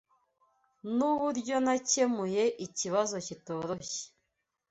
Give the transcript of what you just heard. Nuburyo nakemuye ikibazo kitoroshye.